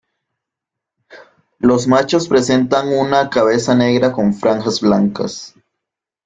Los machos presentan una cabeza negra con franjas blancas.